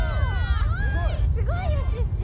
すごいよシュッシュ！